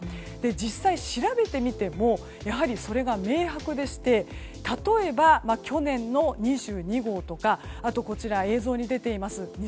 実際、調べてみてもやはり、それが明白でして例えば、去年の２２号とか映像に出ています